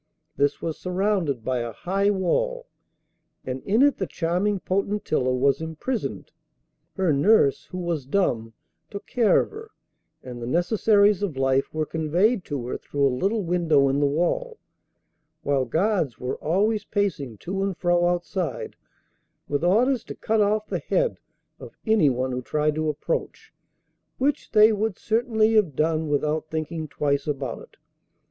This was surrounded by a high wall, and in it the charming Potentilla was imprisoned. Her nurse, who was dumb, took care of her, and the necessaries of life were conveyed to her through a little window in the wall, while guards were always pacing to and fro outside, with orders to cut off the head of anyone who tried to approach, which they would certainly have done without thinking twice about it.